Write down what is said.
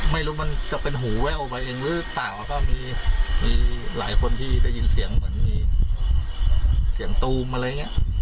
ไม่รู้มันจะเป็นหูแว่วไปเองหรือเปล่าแล้วก็มีหลายคนที่ได้ยินเสียงเหมือนมีเสียงตูมอะไรอย่างนี้